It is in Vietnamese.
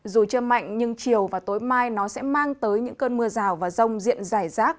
dù chưa mạnh nhưng chiều và tối mai nó sẽ mang tới những cơn mưa rào và rông diện dài rác